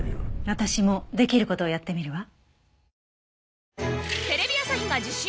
私もできる事をやってみるわ。